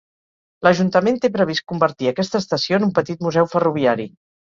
L'ajuntament té previst convertir aquesta estació en un petit museu ferroviari.